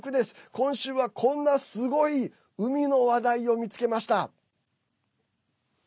今週はこんなすごい海の話題を見つけました。